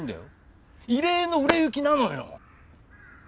異例の売れ行きなのよ。